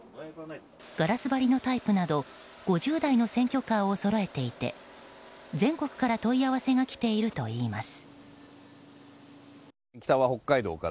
ガラス張りのタイプなど５０台の選挙カーをそろえていて全国から問い合わせが来ているといいます。